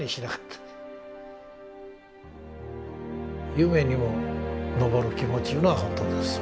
夢にも昇る気持ちいうのは本当ですわ。